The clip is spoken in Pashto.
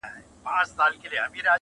ډېر له کیبره څخه ګوري و هوا ته,